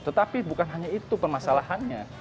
tetapi bukan hanya itu permasalahannya